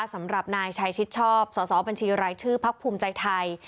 สำหรับนายชัยชิดชอบสอสอบัญชีรายชื่อพักภูมิใจไทย